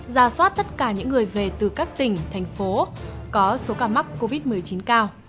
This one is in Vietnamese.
ra soát tất cả những người về từ các tỉnh thành phố có số ca mắc covid một mươi chín cao